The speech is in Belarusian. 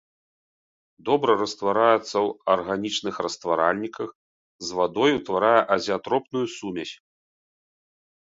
Добра раствараецца ў арганічных растваральніках, з вадой утварае азеатропную сумесь.